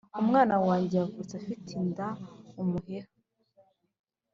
Umwana wanjye yavutse afite inda-Umuheha.